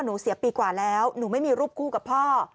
เสียปีกว่าแล้วหนูไม่มีรูปคู่กับพ่อ